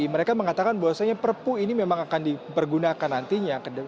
mereka mengatakan bahwasanya perpu ini memang akan dipergunakan nantinya